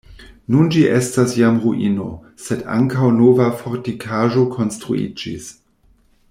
Nun ĝi estas jam ruino, sed ankaŭ nova fortikaĵo konstruiĝis.